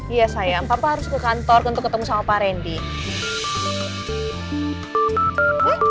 iya sayang papa harus ke kantor untuk ketemu sama pak randy